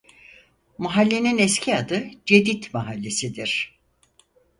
Mahallenin eski adı "Cedit mahallesi"dir.